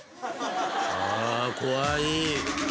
あ怖い。